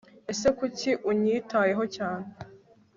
ese kuki unyitayeho cyane